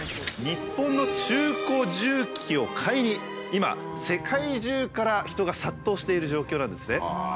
日本の中古重機を買いに今世界中から人が殺到している状況なんですね。